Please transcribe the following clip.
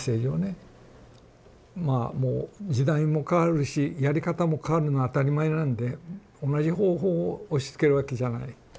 まあもう時代も変わるしやり方も変わるのは当たり前なんで同じ方法を押しつけるわけじゃない。